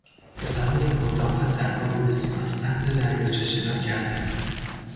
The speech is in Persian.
پسران پرطاقت در آب بسیار سرد دریاچه شنا کردند.